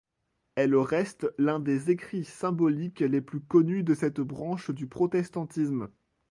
Elle reste l'un des écrits symboliques les plus connus de cette branche du protestantisme.